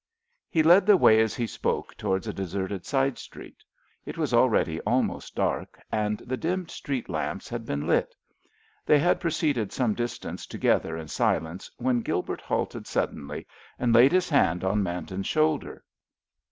He led the way as he spoke towards a deserted side street. It was already almost dark, and the dimmed street lamps had been lit. They had proceeded some distance together in silence, when Gilbert halted suddenly, and laid his hand on Manton's shoulder.